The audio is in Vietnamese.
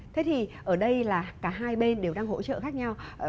thế thì ở đây là cả hai bên đều đang hỗ trợ khác nhau